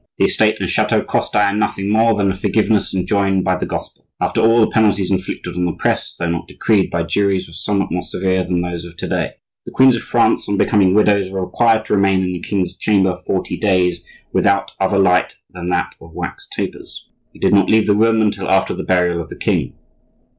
The estate and chateau cost Diane nothing more than the forgiveness enjoined by the gospel. After all, the penalties inflicted on the press, though not decreed by juries, were somewhat more severe than those of to day. The queens of France, on becoming widows, were required to remain in the king's chamber forty days without other light than that of wax tapers; they did not leave the room until after the burial of the king.